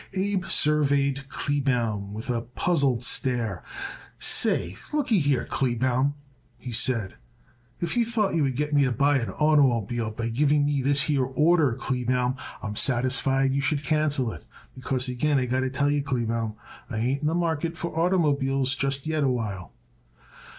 Abe surveyed Kleebaum with a puzzled stare. "Say, lookyhere, Kleebaum," he said, "if you thought you would get me to buy an oitermobile by giving me this here order, Kleebaum, I'm satisfied you should cancel it. Because again I got to tell it you, Kleebaum, I ain't in the market for oitermobiles just yet awhile."